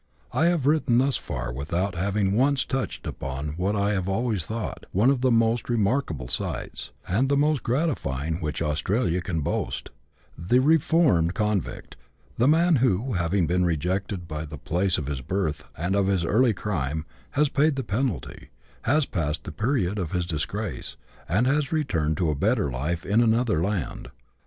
I have written thus far without having once touched upon what I have always thought one of the most remarkable sights, and the most gratifying, which Australia can boast — the reformed convict ; the man who, having been rejected by the place of his birth, and of his early crime, has paid the penalty, has passed the period of his disgrace, and has returned to a better life in another land.